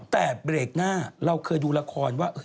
แต่เบรกหน้าเราเคยดูละครว่า